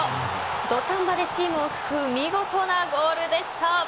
土壇場でチームを救う見事なゴールでした。